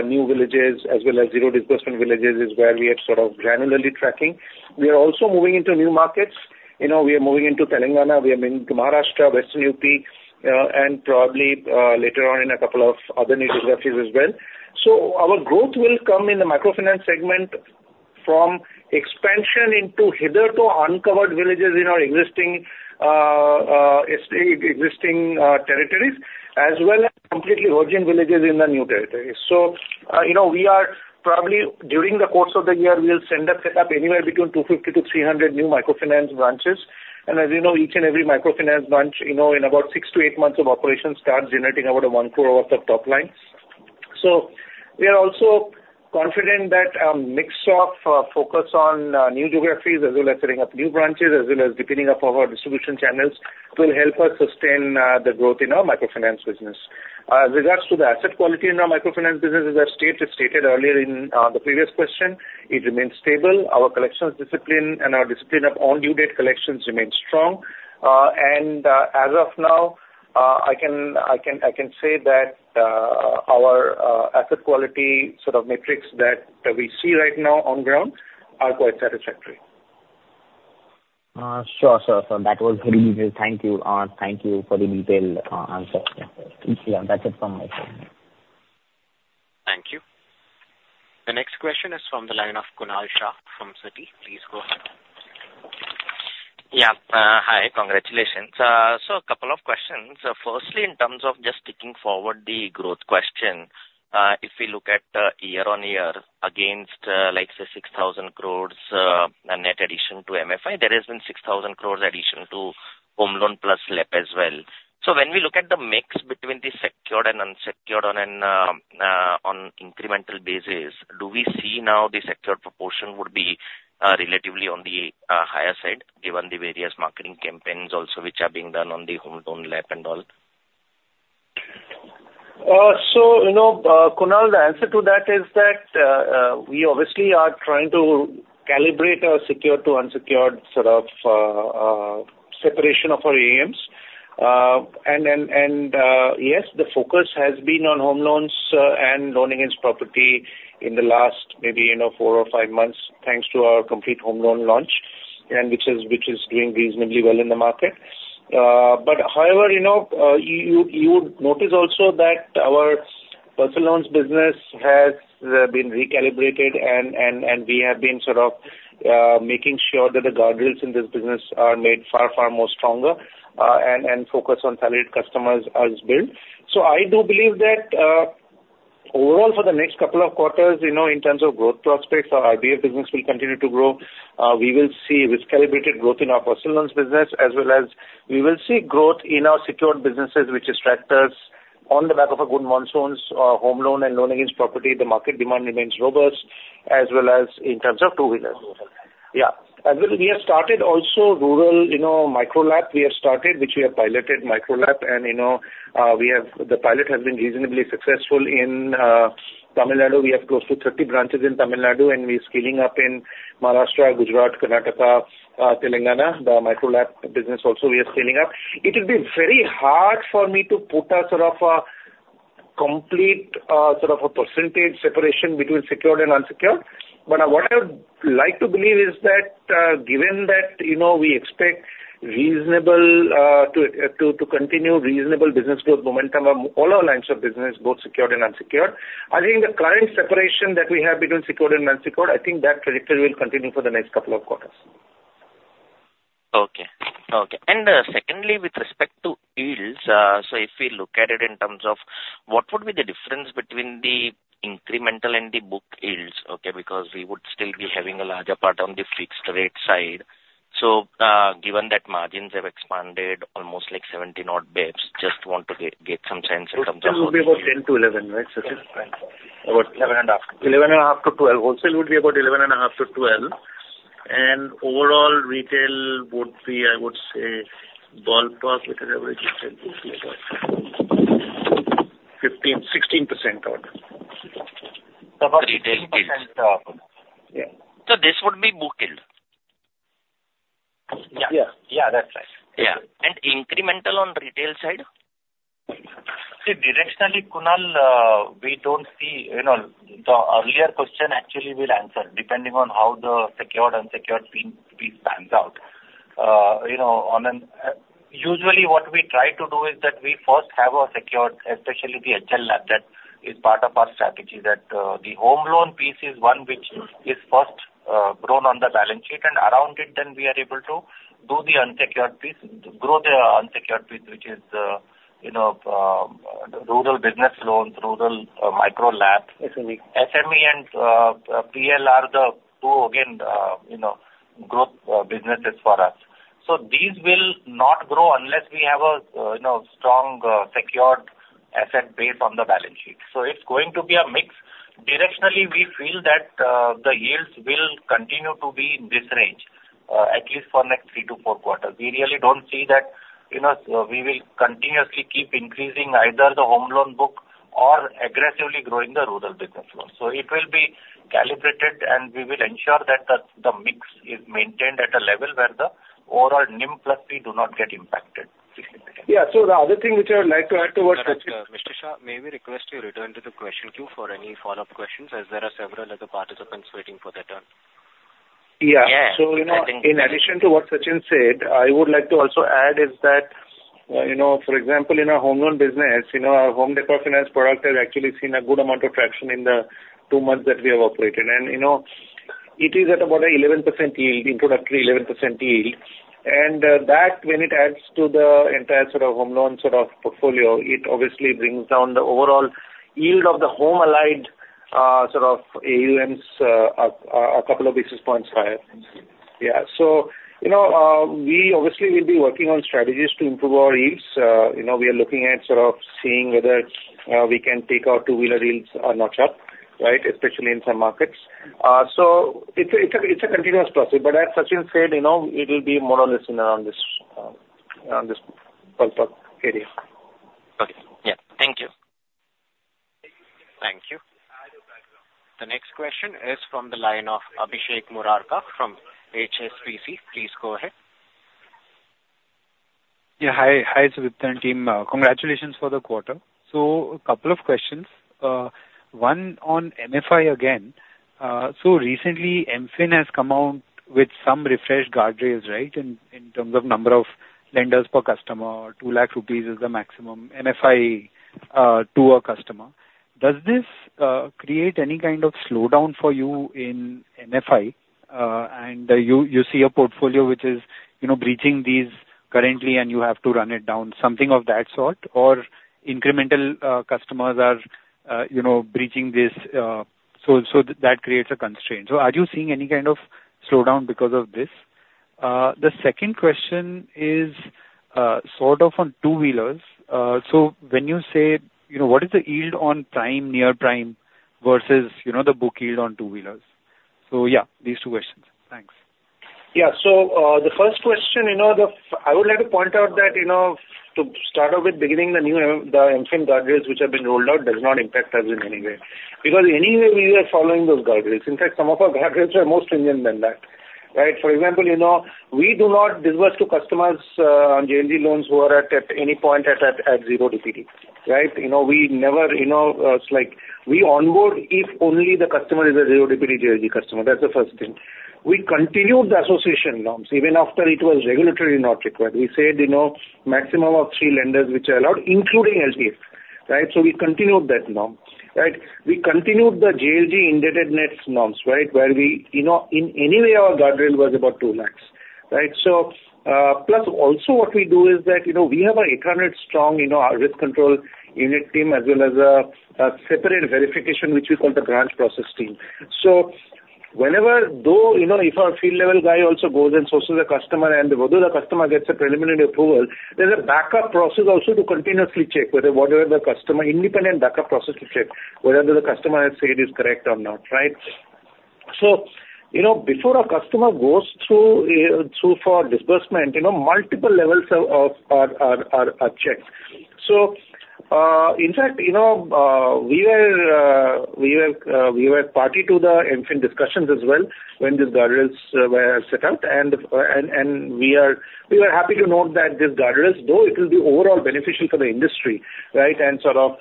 new villages as well as zero disbursement villages, is where we are sort of granularly tracking. We are also moving into new markets. You know, we are moving into Telangana, we are moving to Maharashtra, Western UP, and probably, later on in a couple of other new geographies as well. So our growth will come in the microfinance segment from expansion into hitherto uncovered villages in our existing territories, as well as completely virgin villages in the new territories. So, you know, we are probably, during the course of the year, we'll send a set up anywhere between 250-300 new microfinance branches, and as you know, each and every microfinance branch, you know, in about 6-8 months of operations, starts generating about 1 crore of the top line. So we are also confident that, mix of, focus on, new geographies, as well as setting up new branches, as well as deepening up of our distribution channels, will help us sustain, the growth in our microfinance business. Regards to the asset quality in our microfinance business, as I stated earlier in, the previous question, it remains stable. Our collections discipline and our discipline of on-due date collections remains strong. As of now, I can say that our asset quality sort of metrics that we see right now on ground are quite satisfactory. Sure, sure, sir. That was very visual. Thank you, thank you for the detailed answer. Yeah, that's it from my side. Thank you. The next question is from the line of Kunal Shah from Citi. Please go ahead. Yeah. Hi, congratulations. So a couple of questions. Firstly, in terms of just taking forward the growth question, if we look at year-on-year against, like, say, 6,000 crore net addition to MFI, there has been 6,000 crore addition to home loan plus LAP as well. So when we look at the mix between the secured and unsecured on an on incremental basis, do we see now the secured proportion would be relatively on the higher side, given the various marketing campaigns also, which are being done on the home loan LAP and all? So, you know, Kunal, the answer to that is that, we obviously are trying to calibrate our secured to unsecured sort of separation of our AUMs. And yes, the focus has been on home loans and Loan Against Property in the last maybe, you know, four or five months, thanks to our Complete Home Loan launch, and which is doing reasonably well in the market. But however, you know, you would notice also that our Personal Loans business has been recalibrated and we have been sort of making sure that the guardrails in this business are made far, far more stronger, and focus on valid customers as built. So I do believe that, overall, for the next couple of quarters, you know, in terms of growth prospects, our RBF business will continue to grow. We will see recalibrated growth in our personal loans business, as well as we will see growth in our secured businesses, which is tractors. On the back of a good monsoons, home loan and loan against property, the market demand remains robust, as well as in terms of two-wheelers. Yeah. And we have started also rural, you know, Micro LAP, we have started, which we have piloted, Micro LAP. And, you know, we have. The pilot has been reasonably successful in, Tamil Nadu. We have close to 30 branches in Tamil Nadu, and we are scaling up in Maharashtra, Gujarat, Karnataka, Telangana. The Micro LAP business also we are scaling up. It would be very hard for me to put a sort of a complete, sort of a percentage separation between secured and unsecured. But what I would like to believe is that, given that, you know, we expect reasonable to continue reasonable business growth momentum on all our lines of business, both secured and unsecured. I think the current separation that we have between secured and unsecured, I think that trajectory will continue for the next couple of quarters. Okay. Okay. And, secondly, with respect to yields, so if we look at it in terms of what would be the difference between the incremental and the book yields, okay? Because we would still be having a larger part on the fixed rate side. So, given that margins have expanded almost like 70-odd bps, just want to get some sense in terms of- Would be about 10-11, right, Sachin? About 11.5. 11.5-12. Wholesale would be about 11.5-12, and overall retail would be, I would say, ballpark, it's an average of 10%-15%. 15%-16% odd. About 16%? Yeah. This would be book yield? Yeah. Yeah. Yeah, that's right. Yeah. And incremental on retail side? See, directionally, Kunal, we don't see, you know, the earlier question actually will answer, depending on how the secured/unsecured piece pans out. You know, on an... Usually, what we try to do is that we first have a secured, especially the HL LAP, that is part of our strategy, that, the home loan piece is one which is first, grown on the balance sheet, and around it, then we are able to do the unsecured piece, grow the unsecured piece, which is, you know, rural business loans, rural, micro LAP. SME. SME and PL are the two, again, you know, growth businesses for us. So these will not grow unless we have a, you know, strong, secured asset base on the balance sheet. So it's going to be a mix. Directionally, we feel that, the yields will continue to be in this range, at least for next three to four quarters. We really don't see that, you know, we will continuously keep increasing either the home loan book or aggressively growing the rural business loans. So it will be calibrated, and we will ensure that the, the mix is maintained at a level where the overall NIM plus fee do not get impacted. Yeah, so the other thing which I would like to add to what- Mr. Shah, may we request you return to the question queue for any follow-up questions, as there are several other participants waiting for their turn? Yeah. Yeah. So, you know, in addition to what Sachinn said, I would like to also add is that, you know, for example, in our home loan business, you know, our home decor finance product has actually seen a good amount of traction in the two months that we have operated. And, you know, it is at about 11% yield, introductory 11% yield. And, that, when it adds to the entire sort of home loan sort of portfolio, it obviously brings down the overall yield of the sort of AUMs, a couple of basis points higher. Yeah. So, you know, we obviously will be working on strategies to improve our yields. You know, we are looking at sort of seeing whether we can take our two-wheeler yields or notch up, right? Especially in some markets. So it's a continuous process. But as Sachinn said, you know, it will be more or less in around this, on this ballpark area. Okay. Yeah. Thank you. Thank you. The next question is from the line of Abhishek Murarka from HSBC. Please go ahead. Yeah, hi. Hi, Sudipta and team. Congratulations for the quarter. So a couple of questions. One on MFI again. So recently, MFIN has come out with some refreshed guardrails, right? In terms of number of lenders per customer, 2 lakh rupees is the maximum MFI to a customer. Does this create any kind of slowdown for you in MFI? And you see a portfolio which is, you know, breaching these currently, and you have to run it down, something of that sort? Or incremental customers are, you know, breaching this, so that creates a constraint. So are you seeing any kind of slowdown because of this? The second question is sort of on two-wheelers. So when you say, you know, what is the yield on prime, near prime versus, you know, the book yield on two-wheelers? So yeah, these two questions. Thanks. Yeah. So, the first question, you know, I would like to point out that, you know, to start off with the new MFIN guardrails, which have been rolled out, does not impact us in any way, because anyway, we were following those guardrails. In fact, some of our guardrails are more stringent than that, right? For example, you know, we do not disburse to customers on JLG loans who are at any point at zero DPD, right? You know, we never, you know, it's like we onboard if only the customer is a zero DPD JLG customer. That's the first thing. We continued the association norms even after it was regulatory not required. We said, you know, maximum of three lenders, which are allowed, including HDF, right? So we continued that norm, right? We continued the JLG indebtedness norms, right? Where we, you know, in any way our guardrail was about 2 max, right? So, plus, also what we do is that, you know, we have an 800 strong, you know, our risk control unit team, as well as a separate verification, which we call the branch process team. So whenever, though, you know, if our field level guy also goes and sources a customer, and whether the customer gets a preliminary approval, there's a backup process also to continuously check whether whatever the customer independent backup process to check whether the customer has said is correct or not, right? So, you know, before a customer goes through for disbursement, you know, multiple levels of are checked. So, in fact, you know, we were party to the MFIN discussions as well, when these guardrails were set out. And we were happy to note that these guardrails, though it will be overall beneficial for the industry, right? And sort of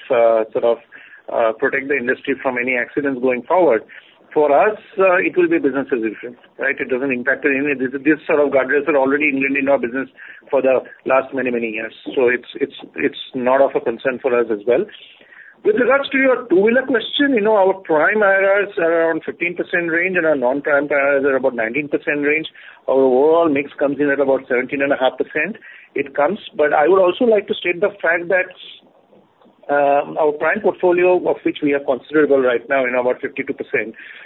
protect the industry from any accidents going forward. For us, it will be business as usual, right? It doesn't impact any. These sort of guardrails are already in our business for the last many, many years, so it's not of a concern for us as well. With regards to your two-wheeler question, you know, our prime IRRs are around 15% range, and our non-prime IRRs are about 19% range. Our overall mix comes in at about 13.5%. It comes, but I would also like to state the fact that, our prime portfolio, of which we are considerable right now in about 52%,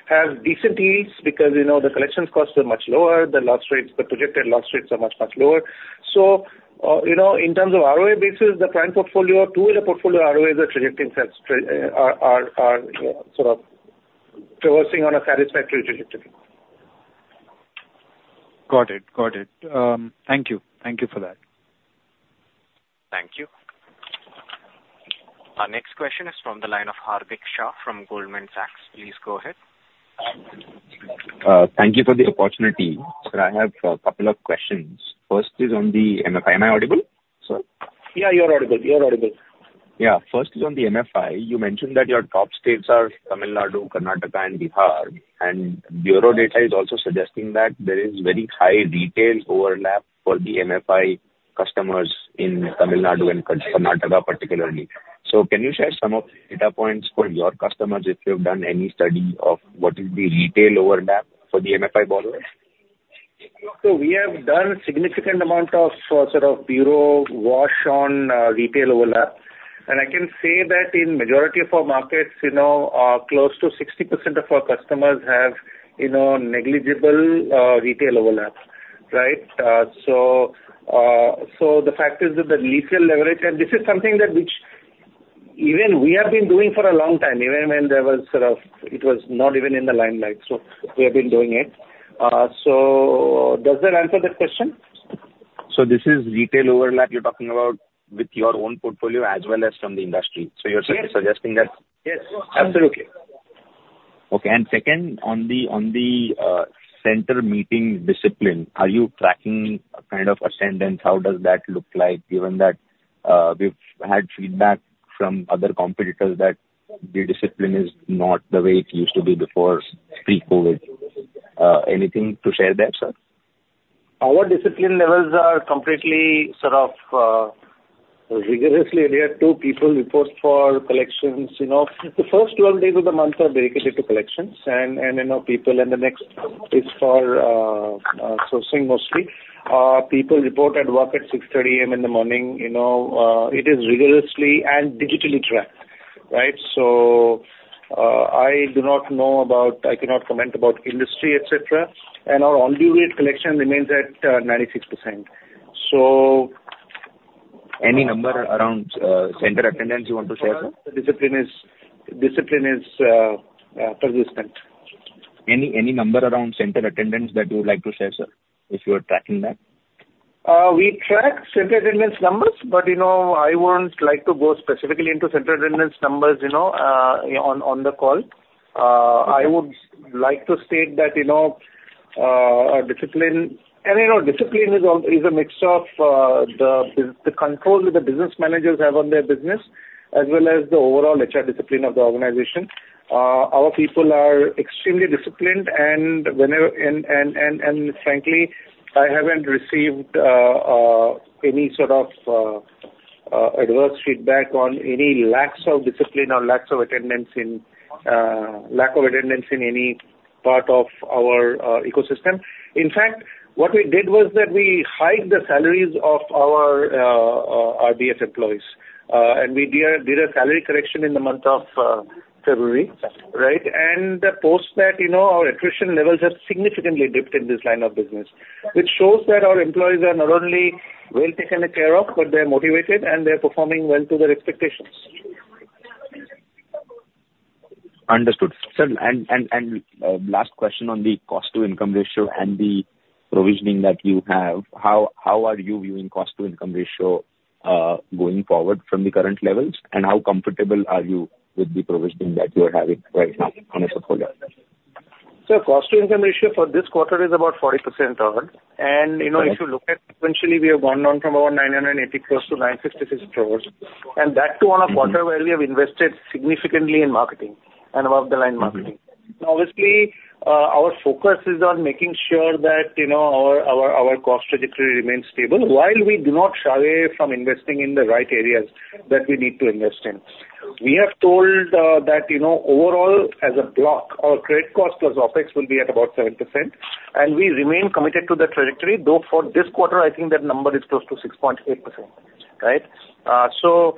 has decent yields because, you know, the collections costs are much lower, the loss rates, the projected loss rates are much, much lower. So, you know, in terms of ROA basis, the prime portfolio, two-wheeler portfolio, ROAs are projecting sense, are, you know, sort of traversing on a satisfactory trajectory. Got it. Got it. Thank you. Thank you for that. Thank you. Our next question is from the line of Hardik Shah from Goldman Sachs. Please go ahead. Thank you for the opportunity. Sir, I have a couple of questions. First is on the MFI. Am I audible, sir? Yeah, you are audible. You are audible. Yeah. First is on the MFI. You mentioned that your top states are Tamil Nadu, Karnataka, and Bihar. Bureau data is also suggesting that there is very high retail overlap for the MFI customers in Tamil Nadu and Karnataka particularly. Can you share some of the data points for your customers, if you've done any study of what is the retail overlap for the MFI borrowers? So we have done significant amount of sort of bureau wash on retail overlap. And I can say that in majority of our markets, you know, close to 60% of our customers have, you know, negligible retail overlap, right? So the fact is that the retail leverage, and this is something that which even we have been doing for a long time, even when there was sort of it was not even in the limelight, so we have been doing it. So does that answer the question? This is retail overlap you're talking about with your own portfolio as well as from the industry. Yes. So you're suggesting that- Yes, absolutely. Okay. And second, on the, on the, center meeting discipline, are you tracking kind of attendance? How does that look like, given that, we've had feedback from other competitors that the discipline is not the way it used to be before pre-COVID? Anything to share there, sir? Our discipline levels are completely sort of rigorously. We have two people reports for collections. You know, the first 12 days of the month are dedicated to collections and, and, you know, people, and the next is for sourcing mostly. People report at work at 6:30 A.M. in the morning, you know, it is rigorously and digitally tracked, right? So, I do not know about, I cannot comment about industry, et cetera, and our on-due date collection remains at 96%. So- Any number around center attendance you want to share, sir? Discipline is persistent. Any, any number around center attendance that you would like to share, sir, if you are tracking that? We track center attendance numbers, but, you know, I won't like to go specifically into center attendance numbers, you know, on the call. Okay. I would like to state that, you know, discipline... and, you know, discipline is a mix of, the, the control that the business managers have on their business, as well as the overall HR discipline of the organization. Our people are extremely disciplined and whenever... and frankly, I haven't received, any sort of, adverse feedback on any lacks of discipline or lacks of attendance in, lack of attendance in any part of our, ecosystem. In fact, what we did was that we hiked the salaries of our, our BS employees, and we did a, did a salary correction in the month of, February, right? And post that, you know, our attrition levels have significantly dipped in this line of business. Which shows that our employees are not only well taken care of, but they're motivated, and they're performing well to their expectations. Understood. Sir, last question on the cost-to-income ratio and the provisioning that you have. How are you viewing cost-to-income ratio going forward from the current levels? And how comfortable are you with the provisioning that you are having right now on a whole year? Cost-to-income ratio for this quarter is about 40%. Okay. You know, if you look at sequentially, we have gone down from about 980 crore to 956 crore. And that too- Mm-hmm. -on a quarter where we have invested significantly in marketing and above-the-line marketing. Now, obviously, our focus is on making sure that, you know, our, our, our cost trajectory remains stable, while we do not shy away from investing in the right areas that we need to invest in. We have told, that, you know, overall, as a block, our credit cost plus OpEx will be at about 7%, and we remain committed to that trajectory, though for this quarter, I think that number is close to 6.8%, right? So,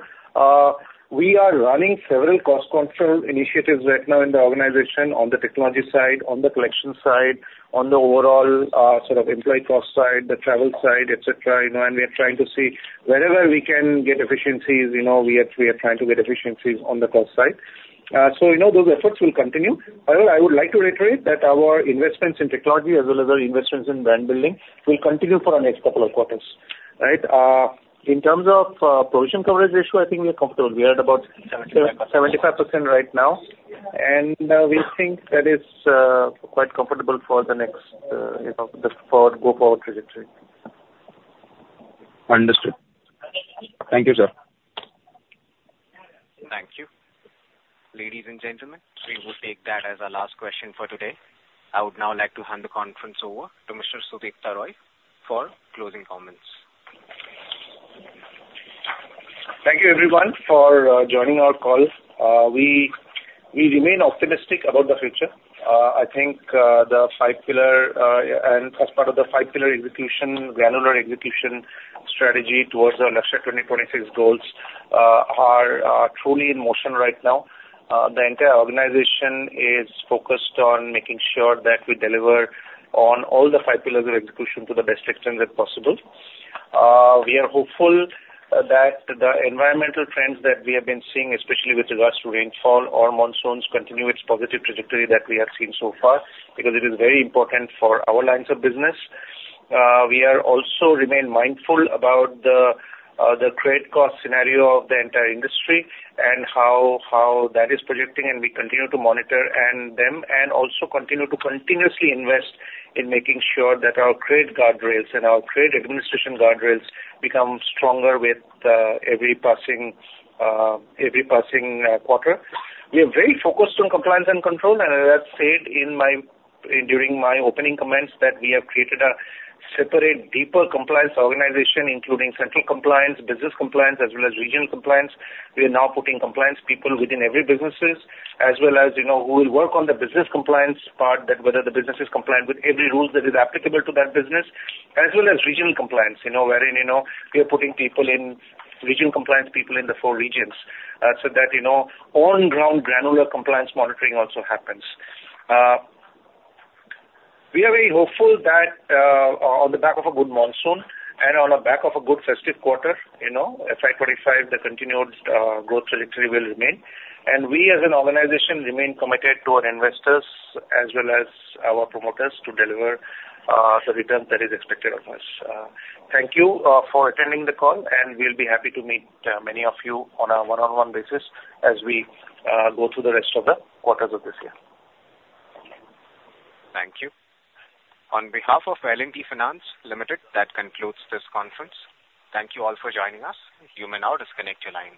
we are running several cost control initiatives right now in the organization, on the technology side, on the collection side, on the overall, sort of employee cost side, the travel side, et cetera, you know, and we are trying to see wherever we can get efficiencies, you know, we are, we are trying to get efficiencies on the cost side. So, you know, those efforts will continue. However, I would like to reiterate that our investments in technology, as well as our investments in brand building, will continue for the next couple of quarters, right? In terms of provision coverage ratio, I think we are comfortable. We are at about-75% right now, and we think that is quite comfortable for the next, you know, the forward, go forward trajectory. Understood. Thank you, sir. Thank you. Ladies and gentlemen, we will take that as our last question for today. I would now like to hand the conference over to Mr. Sudipta Roy for closing comments. Thank you everyone for joining our call. We remain optimistic about the future. I think the five-pillar and as part of the five-pillar execution, granular execution strategy towards our 2026 goals are truly in motion right now. The entire organization is focused on making sure that we deliver on all the five pillars of execution to the best extent that possible. We are hopeful that the environmental trends that we have been seeing, especially with regards to rainfall or monsoons, continue its positive trajectory that we have seen so far, because it is very important for our lines of business. We are also remain mindful about the, the credit cost scenario of the entire industry, and how, how that is projecting, and we continue to monitor them and also continue to continuously invest in making sure that our credit guardrails and our credit administration guardrails become stronger with every passing quarter. We are very focused on compliance and control, and as I said during my opening comments, that we have created a separate, deeper compliance organization, including central compliance, business compliance, as well as regional compliance. We are now putting compliance people within every businesses, as well as, you know, who will work on the business compliance part, that whether the business is compliant with every rule that is applicable to that business, as well as regional compliance. You know, wherein, you know, we are putting people in, regional compliance people in the four regions, so that, you know, on-ground, granular compliance monitoring also happens. We are very hopeful that, on the back of a good monsoon, and on the back of a good festive quarter, you know, FY 25, the continued, growth trajectory will remain. And we, as an organization, remain committed to our investors as well as our promoters to deliver, the return that is expected of us. Thank you, for attending the call, and we'll be happy to meet, many of you on a one-on-one basis as we, go through the rest of the quarters of this year. Thank you. On behalf of L&T Finance Ltd, that concludes this conference. Thank you all for joining us. You may now disconnect your lines.